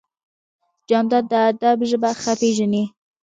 جانداد د ادب ژبه ښه پېژني.